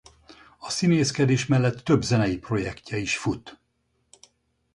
A színészkedés mellett több zenei projektje is fut.